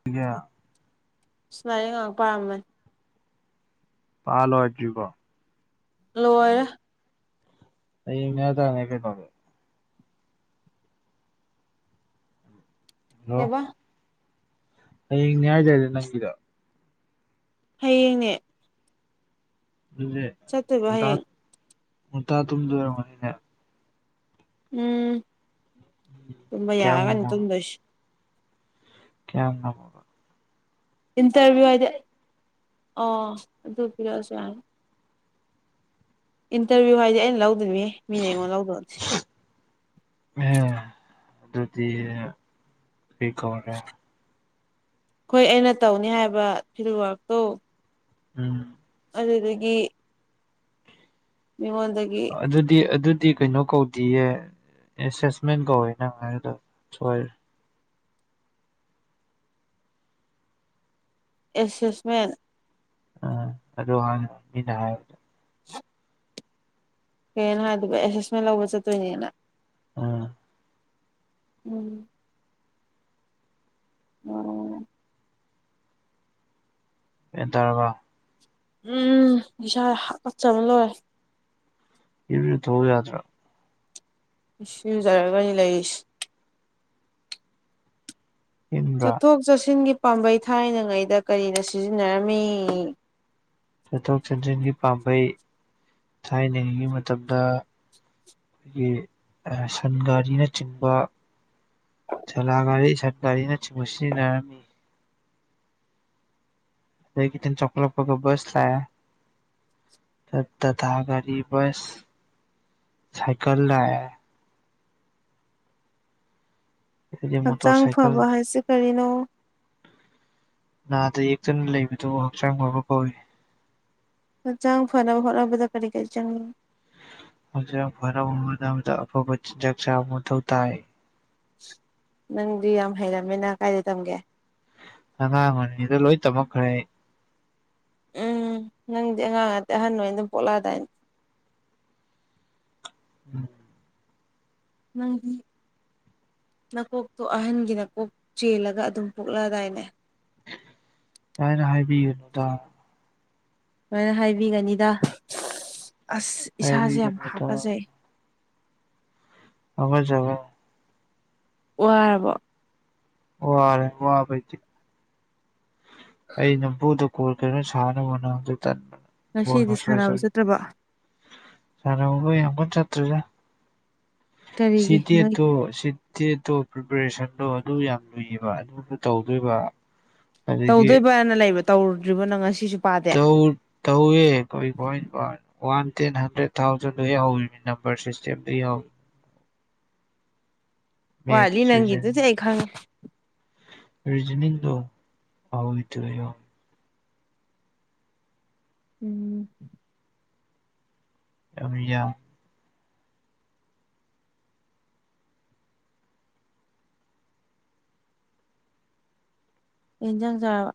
[unintelligible] ꯁꯨꯃꯥꯏꯅ ꯉꯥꯏꯍꯥꯛ ꯄꯥꯝꯃꯅꯤ ꯄꯥꯂꯣꯏꯗ꯭ꯔꯤꯕꯣ ꯂꯣꯏꯔ [unintelligible] ꯀꯕ ꯍꯌꯦꯡ ꯅ꯭ꯌꯥꯏꯗꯗꯦ ꯅꯪꯒꯤꯗ ꯍꯌꯦꯡꯅꯦ ꯑꯗꯨꯗꯤ ꯆꯠꯇꯣꯏꯕ ꯃꯨꯇꯥ ꯍꯌꯦꯡ ꯃꯨꯇꯥ ꯇꯨꯝꯗ ꯑꯣꯏꯝꯔꯕꯅꯤꯅꯦ ꯎꯝ ꯇꯕ ꯀꯌꯥꯝ ꯌꯥꯕꯅꯤ [unintelligible] ꯀꯌꯥ ꯏꯟꯇꯔꯚꯤꯌꯨ ꯍꯥꯏꯗꯤ ꯑꯣ ꯑꯗꯨ ꯄꯤꯔꯛꯑꯁꯨ ꯌꯥꯅꯤ ꯏꯟꯇꯔꯚꯤꯌꯨ ꯍꯥꯏꯗꯤ ꯑꯩꯅ ꯂꯧꯗꯣꯏꯅꯦ ꯃꯤꯅꯦ ꯑꯩꯉꯣꯟꯗ ꯂꯧꯗꯁꯤ [unintelligible] ꯑꯗꯨꯗꯤ ꯑꯩ ꯀꯧꯔꯦ ꯑꯩꯈꯣꯏ ꯑꯩꯅ ꯇꯧꯅꯤ ꯍꯥꯏꯕ ꯐꯤꯜ ꯋꯥꯔꯛꯇꯣ ꯎꯝ ꯑꯗꯨꯗꯒꯤ ꯃꯤꯉ ꯑꯣꯗꯗꯒꯤ ꯑꯗꯨꯗꯤ ꯑꯗꯨꯗꯤ ꯀꯩꯅꯣ ꯀꯧꯗꯌꯦ ꯑꯦꯁꯦꯁꯃꯦꯟ ꯀꯧꯋꯦ ꯅꯪ ꯍꯥꯏꯥꯏꯔꯗ ꯁꯣꯏꯔꯦ ꯑꯦꯁꯦꯁꯃꯦꯟ ꯑ ꯑꯗꯨ ꯍꯅ ꯍꯥꯏ ꯍꯠ ꯀꯩꯅꯣ ꯍꯥꯏꯗꯕ ꯑꯦꯁꯦꯁꯃꯦꯟ ꯂꯧꯕ ꯆꯠꯇꯣꯏꯅꯦꯅ ꯎꯝ ꯎꯝ ꯎꯝ ꯑꯦꯟ ꯇꯔꯕ ꯎꯝ ꯏꯁꯥ ꯀꯠꯆꯕ ꯂꯣꯏꯔꯦ ꯏ ꯊꯣꯋꯦ ꯌꯥꯗ꯭ꯔꯥ ꯁꯤ ꯌꯨꯖꯔꯒꯅꯤ ꯂꯩꯔꯤꯁꯦ ꯏꯪꯕ꯭ꯔꯥ ꯆꯠꯊꯣꯛ ꯆꯠꯁꯤꯟꯒꯤ ꯄꯥꯝꯕꯩ ꯊꯥꯏꯅꯉꯩꯗ ꯀꯔꯤꯅ ꯁꯤꯖꯤꯟꯅꯔꯝꯃꯤ ꯆꯠꯊꯣꯛ ꯆꯠꯁꯤꯟꯒꯤ ꯄꯥꯝꯕꯩ ꯊꯥꯏꯅꯉꯤꯉꯩ ꯃꯇꯝꯗ ꯑꯩꯈꯣꯏꯒꯤ ꯁꯟ ꯒꯥꯔꯤꯅꯆꯤꯡꯕ ꯆꯂꯒꯥꯔꯤ ꯁꯟꯒꯥꯔꯤꯅ ꯆꯤꯡꯕ ꯁꯤꯖꯤꯟꯅꯔꯝꯃꯤ ꯑꯩꯒꯤꯇ ꯆꯀꯂ ꯄꯒꯔ ꯕꯁꯂꯦ ꯠ ꯇꯇꯥꯥ ꯒꯥꯔꯤ ꯁ ꯁꯥꯏꯀꯜ ꯂꯥꯛ ꯑꯗꯒꯤ ꯃꯣꯇꯣꯔ ꯍꯛꯆꯥꯡ ꯁꯥꯏꯀꯜ ꯐꯕ ꯍꯥꯏꯁꯤ ꯀꯔꯤꯅꯣ ꯅꯥꯗ ꯌꯦꯛꯇꯅ ꯂꯩꯕꯗꯣ ꯍꯛꯆꯥꯡ ꯑꯣꯏꯕ ꯀꯧꯏ ꯍꯛꯆꯥꯡ ꯐꯅꯕ ꯍꯣꯠꯅꯕꯗ ꯀꯔꯤ ꯀꯔꯤ ꯆꯪꯏ ꯐꯔ ꯃꯇꯝꯗꯗ ꯑꯐꯕ ꯆꯥꯛ ꯆꯥꯕ ꯃꯊꯧ ꯇꯥꯏ ꯅꯪꯗꯤ ꯌꯥꯝ ꯍꯩꯔꯝꯃꯤꯅ ꯀꯥꯏꯗ ꯇꯝꯒꯦ ꯑꯉꯥꯡꯉꯅꯤꯗ ꯂꯣꯏ ꯇꯝꯃꯛꯈ꯭ꯔꯦ ꯎꯝ ꯅꯪꯗꯤ ꯑꯉꯥꯡ ꯑꯗꯤ ꯑꯍꯟ ꯍ ꯑꯣꯏꯅ ꯑꯗꯨꯝ ꯄꯣꯛꯂꯛꯑꯗꯥꯏ ꯎꯝ ꯎꯝ ꯅꯀꯣꯛꯇꯣ ꯑꯍꯟꯒꯤ ꯅꯀꯣꯛ ꯆꯦꯜꯂꯒ ꯑꯗꯨꯝ ꯄꯣꯛꯂꯑꯗꯥꯏꯅꯦ ꯗꯥꯏꯅ ꯍꯥꯏꯕꯤꯒꯅꯨꯗ ꯁꯃꯥꯏꯅ ꯍꯥꯏꯕꯤꯒꯅꯤꯗ ꯑꯁ ꯏꯁꯥꯁꯦ ꯌꯥꯝ ꯍꯥꯏꯕꯤꯒꯅꯨꯗ ꯍꯥꯀꯖꯩ ꯑꯋꯥꯖꯋꯦ ꯋꯥꯔꯕꯣ ꯋꯥꯔꯦ ꯋꯥꯕ ꯑꯩ ꯅꯝꯐꯨꯗ ꯀꯣꯜ ꯈꯔ ꯁꯥꯥꯟꯅꯕ ꯍꯣꯠꯅꯕꯗ ꯉꯁꯤꯗꯤ ꯁꯥꯟꯅꯕ ꯇꯟꯕ ꯆꯠꯇ꯭ꯔꯕꯣ ꯁꯥꯟꯅꯕꯒ ꯌꯥꯝ ꯀꯟꯅ ꯆꯠꯇ꯭ꯔꯁꯥ ꯀꯔꯤꯒꯤ ꯁꯤꯗꯤꯦꯠꯇꯣ ꯅꯣꯏꯒꯤ ꯗꯦꯠꯇꯣ ꯄ꯭ꯔꯤꯄꯔꯦꯁꯟꯗꯣ ꯑꯗꯨ ꯌꯥꯝ ꯂꯨꯏꯌꯦꯕ ꯑꯗꯨꯅ ꯇꯧꯗꯣꯏꯕ ꯑꯗꯒꯤ ꯇꯧꯗꯣꯏꯕꯅ ꯂꯩꯕ ꯇꯧꯔꯨꯗ꯭ꯔꯤꯕ ꯅꯪ ꯉꯁꯤꯁꯨ ꯄꯥꯗꯦ ꯇꯧ ꯇꯧꯑꯦ ꯀꯣꯏ ꯀꯣꯏ ꯄꯥꯟ ꯋꯥꯟ ꯇꯦꯟ ꯍꯟꯗ꯭ꯔꯦꯠ ꯊꯥꯎꯖꯟꯗꯩꯟꯍꯧꯔꯤꯅꯤ ꯅꯝꯕꯔ ꯁꯤꯁꯇꯦꯝꯗꯩ ꯌꯥꯎꯋꯦ ꯋꯥꯠꯂꯤ ꯃꯦꯠꯁ ꯅꯪꯒꯤꯗꯨꯗꯤ ꯑꯩ ꯈꯪꯉꯦ ꯔꯤꯖꯅꯤꯡꯗꯨ [unintelligible] ꯎꯝ ꯌꯥꯝ ꯌꯥꯝꯃꯦ꯫ ꯀꯩ ꯍꯦꯟꯖꯥꯡ ꯆꯥꯔꯕ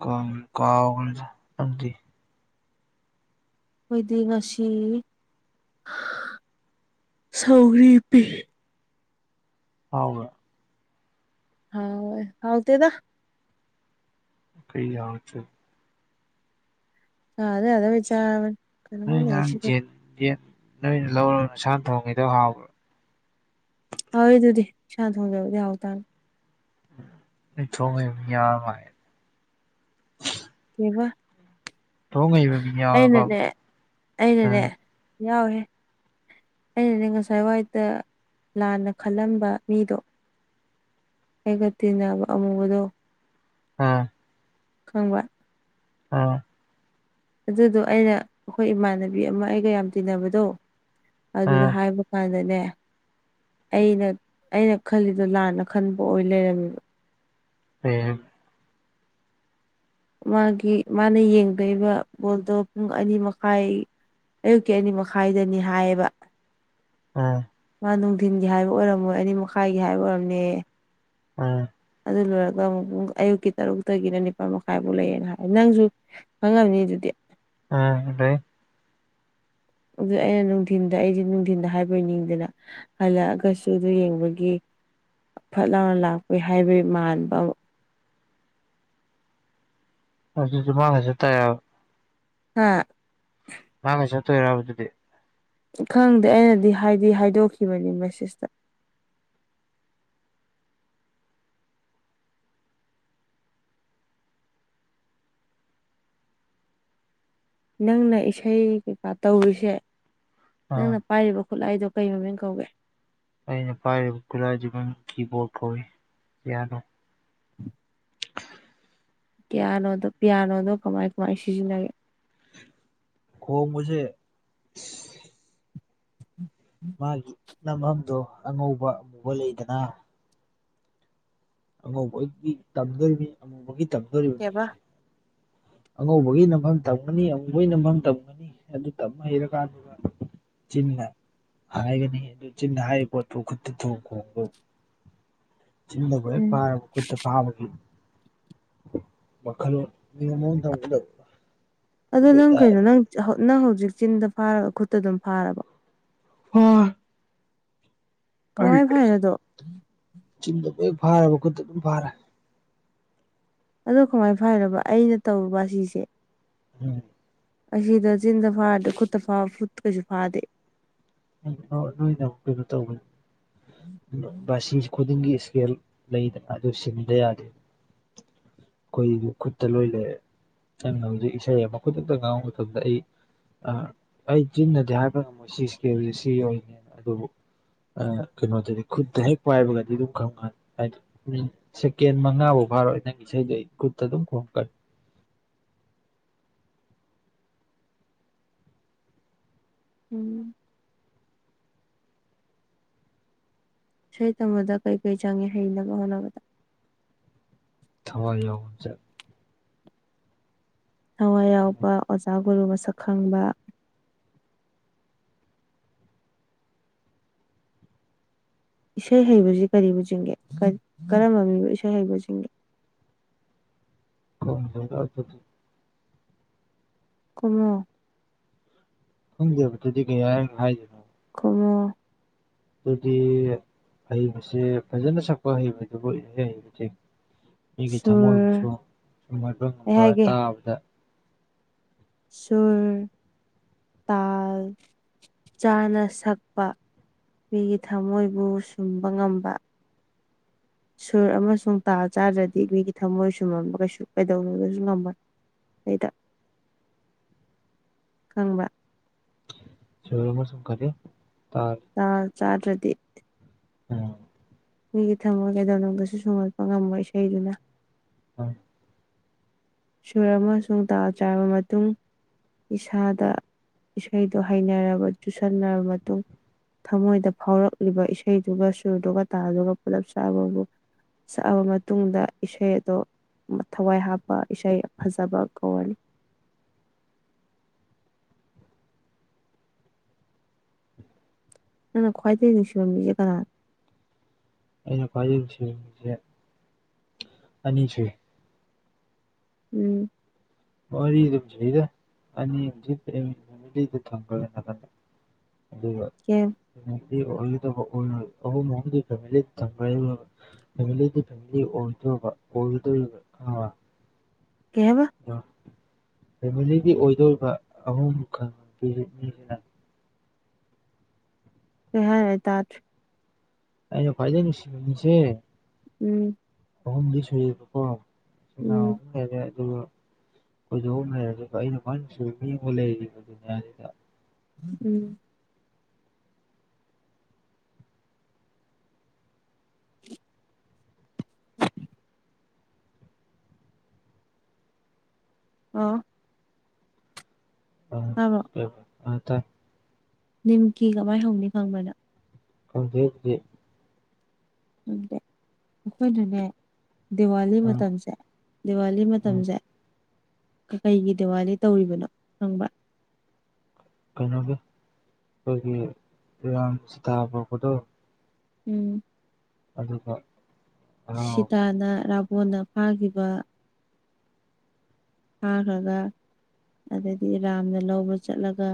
ꯀꯧꯕꯨ ꯀꯧꯈꯔꯦꯗ ꯅꯪꯗꯤ ꯑꯩꯈꯣꯏꯗꯤ ꯉꯁꯤ ꯁꯧꯔꯤ ꯄꯤ ꯍꯥꯎꯕ ꯍꯥꯎꯏ ꯍꯥꯎ ꯇꯦꯗ ꯀꯩ ꯌꯥꯥꯡ ꯆ ꯑ ꯑꯗꯨꯦ ꯑ ꯑꯗꯨ ꯀꯁꯤ ꯌꯦ ꯅꯣꯏꯅ ꯂꯧꯔꯣ ꯅꯁꯥ ꯊꯣꯡꯉꯗꯣ ꯍꯥꯎꯕ꯭ꯔꯥ ꯍꯥꯎꯋꯦ ꯑꯗꯨꯗꯤ ꯏꯁꯥꯅ ꯊꯣꯡꯖꯕꯗꯤ ꯍꯥꯎ ꯇꯥꯅꯤ ꯊꯣꯡꯉ [unintelligible] ꯀꯩꯕ ꯊꯣꯡ ꯍꯩꯕ ꯃꯤ ꯌꯥꯎꯔꯕ ꯑꯩꯅꯅꯦ ꯑꯩꯅꯅꯦ ꯑꯗꯨꯁꯨ ꯌꯥꯎꯔꯦ ꯑꯩꯅꯅꯦ ꯉꯁꯥꯏꯋꯥꯋꯥꯏꯗ ꯂꯥꯟꯅ ꯈꯜꯂꯝꯕ ꯃꯤꯗꯣ ꯑꯩꯒ ꯇꯤꯟꯅꯕ ꯑꯃꯨꯕꯗꯣ ꯑꯥ ꯈꯪꯕ ꯍꯥ ꯑꯗꯨꯗꯣ ꯑꯩꯅ ꯑꯩꯈꯣꯏ ꯏꯃꯥꯟꯅꯕꯤ ꯑꯃ ꯑꯩꯒ ꯌꯥꯝ ꯇꯤꯟꯅꯕꯗꯣ ꯑꯗꯨꯗ ꯍꯥꯏꯕ ꯀꯥꯟꯗꯅꯦ ꯑꯩꯅ ꯑꯩꯅ ꯈꯜꯂꯤꯗꯣ ꯂꯥꯟꯅ ꯈꯟꯕ ꯑꯣꯏ ꯂꯩꯔꯝꯃꯦꯕ [unintelligible] ꯃꯥꯒꯤ ꯃꯥꯅ ꯌꯦꯡꯗꯕ ꯕꯣꯜꯗꯣ ꯄꯨꯡ ꯑꯅꯤ ꯃꯈꯥꯏ ꯑꯌꯨꯛꯀꯤ ꯑꯅꯤ ꯃꯈꯥꯏꯗꯅꯤ ꯍꯥꯏꯌꯦꯕ ꯑꯣ ꯃꯥ ꯅꯨꯡꯊꯤꯟꯒꯤ ꯍꯥꯏꯕ ꯑꯣꯏꯔꯝꯃꯣꯏ ꯑꯅꯤ ꯃꯈꯥꯏꯒꯤ ꯍꯥꯏꯕ ꯑꯣꯏꯔꯝꯅꯦ ꯑꯝ ꯑꯗꯨ ꯂꯣꯏꯔꯒ ꯑꯃꯨꯛ ꯑꯌꯨꯛꯀꯤ ꯇꯔꯨꯛꯇꯒꯤꯅ ꯅꯤꯄꯥꯜ ꯃꯈꯥꯏꯐꯥꯎ ꯂꯩꯌꯦꯅ ꯍꯥꯏ ꯅꯪꯁꯨ ꯈꯪꯉꯝꯅꯤ ꯑꯗꯨꯗꯤ ꯎꯝ ꯂꯩ ꯑꯗꯨ ꯑꯩꯅ ꯅꯨꯡꯊꯤꯟꯗ ꯑꯩꯗꯤ ꯅꯨꯡꯊꯤꯟꯗ ꯍꯥꯏꯕꯣꯏ ꯅꯤꯡꯗꯅ ꯍꯜꯂꯛꯑꯒꯁꯨ ꯑꯗꯨ ꯌꯦꯡꯕꯒꯤ ꯐꯠ ꯂꯥꯎꯅ ꯂꯥꯛꯄꯒꯤ ꯍꯥꯏꯕꯩ ꯃꯥꯟꯕ [unintelligible] ꯍꯥ ꯉꯥꯏꯍꯥꯛ ꯂꯩꯔ ꯆꯇꯣꯏꯔꯕꯥ ꯈꯪꯗꯦ ꯑꯩꯅꯗꯤ ꯍꯥꯏꯗꯤ ꯍꯥꯏꯗꯣꯛꯈꯤꯕꯅꯤ ꯃꯦꯁꯦꯁꯇ ꯅꯪꯅ ꯏꯁꯩ ꯀꯩꯀꯥ ꯇꯧꯔꯤꯁꯦ ꯑꯥ ꯅꯪꯅ ꯄꯥꯏꯔꯤꯕ ꯈꯨꯠꯂꯥꯏꯗꯣ ꯀꯩ ꯃꯃꯤꯡ ꯀꯧꯒꯦ ꯑꯩꯅ ꯄꯥꯏꯔꯤꯕ ꯈꯨꯂꯥꯏꯗꯨꯒꯤ ꯃꯃꯤꯡ ꯀꯤꯕꯣꯔꯗ ꯀꯧꯏ ꯄꯤꯌꯥꯅꯣ ꯄꯤꯌꯥꯅꯣꯗꯣ ꯄꯤꯌꯥꯅꯣꯗꯣ ꯀꯃꯥꯏ ꯀꯃꯥꯏ ꯁꯤꯖꯤꯟꯅꯒꯦ ꯈꯣꯡꯕꯁꯦ ꯃꯥꯒꯤ ꯅꯝꯐꯝꯗꯣ ꯑꯉꯧꯕ ꯑꯃꯨꯕ ꯂꯩꯗꯅ ꯑꯉꯧꯕꯒꯤ ꯇꯝꯗꯣꯔꯤꯕꯅꯤ ꯑꯃꯨꯕꯒꯤ ꯇꯝꯗꯣꯔꯤꯕꯅꯤ ꯀꯩꯕ ꯑꯉꯧꯕꯒꯤ ꯅꯝꯐꯝ ꯇꯝꯒꯅꯤ ꯑꯃꯨꯕꯒꯤ ꯅꯝꯐꯝ ꯇꯝꯒꯅꯤ ꯑꯗꯨꯇꯝꯃ ꯍꯩ ꯀꯟꯗ ꯆꯤꯟꯅ ꯍꯥꯏꯒꯅꯤ ꯑꯗꯨ ꯆꯤꯟꯗ ꯍꯥꯏꯔꯤꯕ ꯄꯣꯠꯇꯨ ꯈꯨꯠꯇ ꯊꯣꯡ ꯈꯣꯡꯕ ꯆꯤꯟꯗꯕꯨ ꯍꯦꯛ ꯎꯝ ꯐꯥꯔꯕ ꯈꯨꯠꯇ ꯄꯥꯕꯒꯤ ꯋꯥꯈꯜꯂꯣꯟ ꯅꯤꯌ ꯑꯝ ꯊꯝꯒꯗꯕ ꯑꯗꯨꯗ ꯑꯗꯨ ꯅꯪ ꯀꯩꯅꯣ ꯑꯣꯏꯇꯥꯔꯗꯤ ꯅꯪ ꯅꯪ ꯍꯧꯖꯤꯛ ꯆꯤꯟꯗ ꯐꯥꯔꯒ ꯈꯨꯠꯇ ꯑꯗꯨꯝ ꯐꯥꯔꯕꯣ꯫ ꯍ ꯑꯩ ꯀꯃꯥꯏ ꯐꯥꯏꯅꯣꯗꯣ ꯆꯤꯟꯗꯕꯨ ꯍꯦꯛ ꯐꯥꯔꯕ ꯈꯨꯠꯇ ꯑꯗꯨꯝ ꯐꯥꯔꯦ ꯑꯗꯣ ꯀꯃꯥꯏꯅ ꯐꯔꯕ ꯑꯩꯅ ꯇꯧꯔꯨꯕ ꯁꯤꯁꯦ ꯎꯝ ꯑꯁꯤꯗ ꯆꯤꯟꯗ ꯐꯥ ꯈꯨꯠꯇ ꯈꯨꯠ ꯀꯩꯁꯨ ꯐꯥꯗꯦ ꯅꯣꯏꯅ ꯑꯃꯛ ꯀꯩꯅꯣ ꯇꯧꯕꯅꯦ ꯕꯥ [unintelligible] ꯑꯗꯨꯒꯤ ꯏꯁꯀꯦꯜ ꯂꯩꯗꯅ ꯑꯗꯨ ꯁꯤꯟꯕ ꯌꯥꯗꯦ ꯑꯩꯈꯣꯏ ꯈꯨꯠꯇ ꯂꯣꯏ ꯂꯩ ꯍꯧꯖꯤꯛ ꯏꯁꯩ ꯃꯈꯗꯛꯇ ꯉꯥꯡꯕ ꯃꯇꯝꯗ ꯑꯩ ꯑ ꯑꯩ ꯆꯤꯟꯅꯗꯤ ꯍꯥꯏꯕ ꯉꯝꯃꯣꯏ ꯁꯤ ꯏꯁꯀꯦꯜꯁꯦ ꯁꯤ ꯑꯣꯏꯅꯤꯗꯤ ꯑꯗꯨꯕꯨ ꯀꯩꯅꯣꯗꯗꯤ ꯈꯨꯠꯇ ꯍꯦꯛ ꯄꯥꯏꯕꯒꯗꯤ ꯑꯗꯨꯝ ꯈꯪꯉꯅꯤ ꯍꯥꯏꯗꯤ ꯎꯝ ꯁꯦꯀꯦꯟ ꯃꯉꯥꯐꯥꯎ ꯐꯥꯔꯣꯏ ꯅꯪ ꯏꯁꯩꯗꯣ ꯑꯩ ꯈꯨꯠꯇ ꯑꯗꯨꯝ ꯈꯣꯡꯀꯅꯤ ꯎꯝ ꯏꯁꯩ ꯇꯝꯗ ꯀꯩꯀꯩ ꯆꯪꯏ ꯍꯩꯅꯕ ꯍꯣꯠꯅꯕꯗ ꯊꯋꯥꯏ ꯌꯥꯎꯕꯥ ꯆꯪꯏ ꯊꯋꯥꯏ ꯌꯥꯎꯕ ꯑꯣꯖꯥ ꯒꯨꯔꯨ ꯃꯁꯛ ꯈꯪꯕ ꯏꯁꯩ ꯍꯩꯕꯁꯤ ꯀꯔꯤꯕꯨ ꯆꯤꯡꯒꯦ ꯀꯔꯝꯕ ꯃꯤꯕꯨ ꯏꯁꯩ ꯍꯩꯕ ꯆꯤꯡꯒꯦ ꯍꯣꯏ ꯍ ꯀꯃ ꯈꯪꯖꯕꯗꯨꯗꯤ ꯀꯩ ꯍꯥꯏꯅ ꯍꯥꯏꯖꯅꯣ ꯀꯉꯣ ꯑꯗꯨꯗꯤ ꯍꯩꯕꯁꯦ ꯐꯖꯅ ꯁꯛꯄ ꯍꯩꯕꯗꯨꯕꯨ ꯏꯁꯩ ꯁꯛꯄ ꯍꯩꯕ ꯁꯤꯡꯉꯦ ꯑꯩꯒꯤ ꯁꯨꯔ ꯊꯃꯣꯏꯕꯨꯁꯨ ꯁꯨꯝꯍꯕ ꯑꯩ ꯉꯝꯕ ꯍꯥꯏꯒꯦ ꯇꯥꯕꯗ ꯁꯨꯔ ꯇꯜ ꯆꯥꯅ ꯁꯛꯄ ꯃꯤꯒꯤ ꯊꯝꯃꯣꯏꯕꯨ ꯁꯨꯝꯕ ꯉꯝꯕ ꯁꯨꯔ ꯑꯃꯁꯨꯡ ꯇꯥ ꯆꯥꯗ꯭ꯔꯗꯤ ꯃꯤꯒꯤ ꯊꯝꯃꯣꯏ ꯁꯨꯝꯃꯝꯕ ꯀꯩ ꯀꯩꯗꯧꯅꯨꯡꯗꯁꯨ ꯉꯝꯃꯣꯏ ꯑꯩꯗ ꯈꯪꯕ [unintelligible] ꯆꯥꯗ꯭ꯔꯗꯤ ꯑꯥ ꯃꯤꯒꯤ ꯊꯝꯃꯣꯏ ꯀꯩꯗꯧꯅꯨꯡꯗꯁꯨ ꯁꯨꯡꯒꯠꯄ ꯉꯝꯃꯣꯏ ꯏꯁꯩꯗꯨꯅ ꯎꯝ ꯁꯨꯔ ꯑꯃꯁꯨꯡ ꯇꯥꯎ ꯆꯥꯔꯕ ꯃꯇꯨꯡ ꯏꯁꯥꯗ ꯏꯁꯩꯗꯣ ꯍꯩꯅꯔꯕ ꯆꯨꯁꯟꯅꯔꯕ ꯃꯇꯨꯡ ꯊꯃꯣꯏꯗ ꯐꯥꯎꯔꯛꯂꯤꯕ ꯏꯁꯩꯗꯨꯒ ꯁꯨꯔꯗꯨꯒ ꯇꯥꯗꯨꯒ ꯄꯨꯂꯞ ꯆꯥꯕꯕꯨ ꯁꯛꯑꯕ ꯃꯇꯨꯡꯗ ꯏꯁꯩ ꯑꯗꯣ ꯊꯋꯥꯏ ꯍꯥꯞꯄ ꯑꯩꯁꯥ ꯐꯖꯥꯕ ꯀꯧꯋꯥꯅꯤ ꯅꯪꯅ ꯈ꯭ꯋꯥꯏꯗꯒꯤ ꯅꯨꯡꯁꯤꯟꯕꯤꯁꯦ ꯀꯅꯥꯅ ꯑꯩꯅ ꯈ꯭ꯋꯥꯏꯖ ꯁꯕꯁꯦ ꯑꯅꯤ ꯁꯨꯏ ꯎꯝ ꯃꯔꯤꯗꯖꯔ ꯑꯅꯤꯗ ꯊꯪ ꯑꯗꯨ ꯀꯦ ꯃꯗꯤ ꯐ ꯊ ꯐꯦꯃꯤꯂꯤꯗꯤ ꯐꯦꯃꯤꯂꯤ ꯑꯣꯏꯗꯣꯏꯕ ꯑꯣꯏꯒꯗꯣꯏꯔꯤꯕ ꯑ ꯀꯕ ꯑꯗꯣ ꯐꯦꯃꯤꯂꯤꯒꯤ ꯑꯣꯏꯗꯣꯔꯤꯕ ꯑꯍꯨꯝ ꯈꯜ ꯄꯤꯔꯤ ꯃꯤꯁꯤꯅ ꯀ ꯍꯥꯏꯔꯦ ꯇꯔ ꯀꯥꯏꯩꯅ ꯐꯥꯏꯗꯦ ꯅꯨꯡ ꯁꯤꯁꯦ ꯎꯝ ꯀꯍꯨꯝꯗꯤꯁꯔꯕꯀꯣ ꯎꯝ ꯐꯔꯦ ꯑꯗꯨꯒ ꯀꯣꯏꯗꯣꯛ ꯂꯩꯔ ꯑꯩꯅ ꯈ꯭ꯋꯥꯏꯅꯁꯨ ꯌꯦꯡꯕ ꯂꯩꯔꯤꯕ ꯗꯨꯅꯤꯌꯥꯗꯨꯗ ꯎꯝ [inaudible] ꯑꯣ ꯑ ꯇꯥꯕ꯭ꯔꯣ ꯑ ꯇ ꯅꯤꯝꯀꯤ ꯀꯃꯥꯏ ꯍꯧꯅꯤ ꯈꯪꯕꯗ ꯊꯪꯒꯦꯗꯤ ꯑꯩꯈꯣꯏꯅꯅꯦ ꯗꯤꯋꯥꯂꯤ ꯃꯇꯝꯁꯦ ꯗꯤꯋꯥꯂꯤ ꯃꯇꯝꯁꯦ ꯀꯩꯒꯤ ꯗꯤꯋꯥꯂꯤ ꯇꯧꯔꯤꯕꯅꯣ ꯈꯪꯕ ꯀꯩꯅꯣꯒꯤ ꯑꯩꯈꯣꯏꯒꯤ ꯏꯔꯥꯡꯁꯤꯇꯥ ꯐꯕꯗꯣ ꯎꯝ ꯑꯗꯨꯒꯀ ꯁꯤꯇꯥꯅ ꯔꯥꯕꯣꯟꯅ ꯐꯥꯈꯤꯕ ꯐꯥꯈ꯭ꯔꯒ ꯑꯗꯩꯗꯤ ꯔꯔꯥꯝꯅ ꯂꯧꯕ ꯆꯠꯂꯒ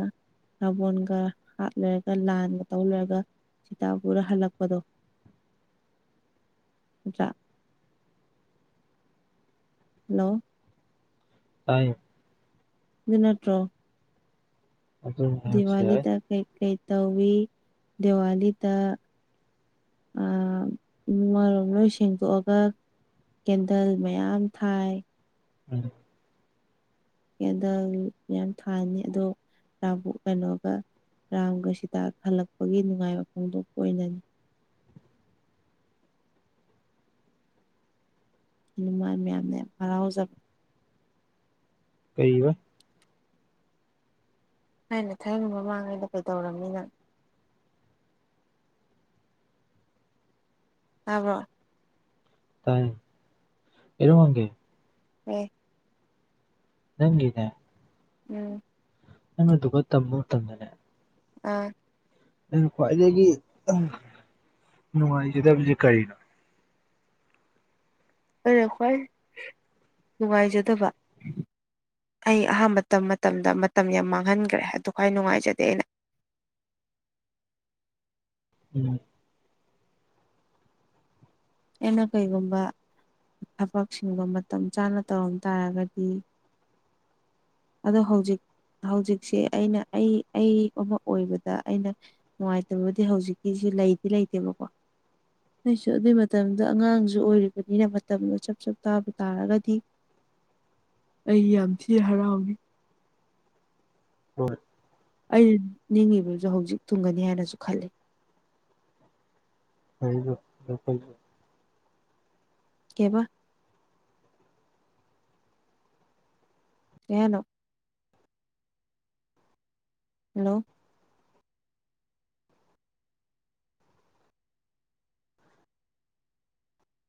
ꯕꯣꯟꯒ ꯍꯥꯠꯂꯔꯒ ꯂꯥꯟꯒ ꯇꯧ ꯂꯩꯔꯒ ꯁꯤꯤꯇꯥ ꯄꯨꯔ ꯍꯜꯂꯛꯄꯗꯣ [inaudible] ꯍꯜꯂꯣ ꯇꯥꯏꯌꯦ ꯑꯗꯨ ꯅꯠꯇ꯭ꯔꯣ ꯑꯗꯨꯅꯤ ꯍꯥꯏꯕꯁꯨ ꯌꯥꯏ ꯗꯤꯋꯥꯂꯤꯗ ꯀꯩ ꯀꯩ ꯇꯧꯏꯤ ꯗꯤꯋꯥꯂꯤꯗ ꯨ ꯃꯔꯣ ꯂꯣꯏ ꯁꯦꯡꯗꯣꯛꯑꯒ ꯀꯦꯟꯗꯜ ꯃꯌꯥꯝ ꯊꯥꯏ ꯎꯝ ꯀꯦꯗꯜ ꯌꯥꯝ ꯊꯥꯅꯤ ꯑꯗꯣ ꯥꯕꯨ ꯀꯩꯅꯣꯒ ꯔꯥꯝꯒ ꯁꯤꯗ ꯍꯜꯂꯛꯄꯒꯤ ꯅꯨꯡꯉꯥꯏꯕ ꯐꯣꯡꯗꯣꯛꯄ ꯑꯣꯏꯅꯅꯤ ꯃꯥ ꯃꯌꯥꯝꯅꯦ ꯍꯔꯥꯎꯖꯕ ꯀꯩꯕ ꯍꯥꯏꯩꯅ ꯊꯥꯏꯕ ꯃꯃꯥꯡꯉꯩꯗ ꯀꯩꯗꯧꯔꯕꯝꯅꯤꯅ ꯑꯕ ꯇꯥꯏ ꯑꯦꯔꯃꯡꯒꯦ ꯎꯝ ꯅꯪꯅꯦ ꯎꯝ ꯅꯪ ꯑꯗꯨꯗꯨꯒ ꯇꯝ ꯇꯗꯅꯦ ꯑꯥ ꯑꯩꯅ ꯈ꯭ꯋꯥꯏꯗꯒꯤ ꯅꯨꯡꯉꯥꯏꯖꯗꯕꯁꯦ ꯀꯔꯤꯅꯣ ꯑꯩꯅ ꯈ꯭ꯋꯥꯏ ꯅꯨꯡꯉꯥꯏꯖꯗꯕ ꯑꯩ ꯑꯍꯥꯟꯕ ꯃꯇꯝ ꯃꯇꯝꯗ ꯃꯇꯝ ꯌꯥꯝ ꯃꯥꯡꯍꯟꯈ꯭ꯔꯦ ꯑꯗꯨ ꯈ꯭ꯋꯥꯏ ꯅꯨꯡꯉꯥꯏꯖꯗꯦ ꯑꯩꯅ ꯎꯝ ꯑꯦꯟꯅ ꯀꯩꯒꯨꯝꯕ ꯊꯕꯛꯁꯤꯡꯗꯣ ꯃꯇꯝ ꯆꯥꯅ ꯇꯧꯔꯝ ꯇꯥꯔꯒꯗꯤ ꯑꯗꯣ ꯍꯧꯖꯤꯛ ꯍꯧꯖꯤꯛꯁꯦ ꯑꯩꯅ ꯑꯩ ꯑꯩ ꯑꯃ ꯑꯣꯏꯕꯗ ꯑꯩꯅ ꯅꯨꯡꯉꯥꯏꯇꯕꯗꯤ ꯍꯧꯖꯤꯛꯀꯤꯁꯤ ꯂꯩꯗꯤ ꯂꯩꯇꯦꯕꯀꯣ ꯑꯩꯁꯨ ꯑꯗꯨꯒꯤ ꯃꯇꯝꯗ ꯑꯉꯥꯡꯁꯨ ꯑꯣꯏꯔꯤꯕꯅꯤꯅ ꯃꯇꯝꯗꯣ ꯆꯞ ꯆꯞ ꯇꯥꯕ ꯇꯥꯔꯒꯗꯤ ꯑꯩ ꯌꯥꯝ ꯊꯤ ꯍꯔꯥꯎꯏ ꯍꯣꯏ ꯑꯩꯅ ꯅꯤꯡꯉꯤꯕꯁꯨ ꯍꯧꯖꯤꯛ ꯊꯨꯡꯒꯅꯤ ꯍꯥꯏꯅꯁꯨ ꯈꯜꯂꯤ ꯎꯜ ꯀꯦꯕ ꯀꯅꯣ ꯍꯜꯂꯣ